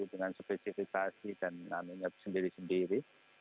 dengan spesifikasi dan namanya sendiri sendiri